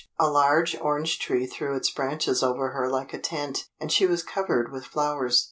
A large orange tree threw its branches over her like a tent, and she was covered with flowers.